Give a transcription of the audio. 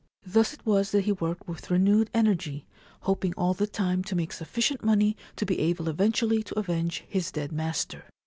Thus it was that he worked with renewed energy, hoping all the time to make sufficient money to be able eventually to avenge his dead master.